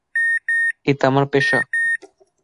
এটা আমার পেশা।